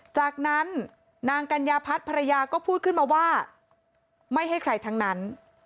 จากนั้นนางกัญญาพัฒน์ภรรยาก็พูดขึ้นมาว่าไม่ให้ใครทั้งนั้น